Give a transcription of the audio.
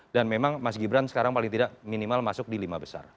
memang mas gibran sekarang paling tidak minimal masuk di lima besar